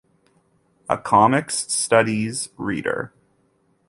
A Comics Studies Reader.